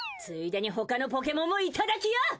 ついでに他のポケモンもいただきよ！